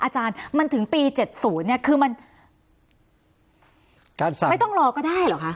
อาจารย์มันถึงปี๗๐เนี่ยคือมันไม่ต้องรอก็ได้เหรอคะ